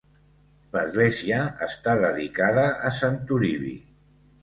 L'església està dedicada a Sant Toribi.